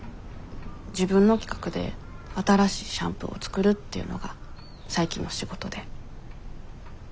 自分の企画で新しいシャンプーを作るっていうのが最近の仕事で。